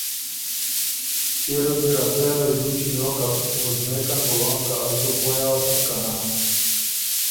ݭيې ریوز اِر ا پېغلئ دُوچی نوکم، وُزمېکن بُو هوم که از بُو پوی اؤسم که نا۔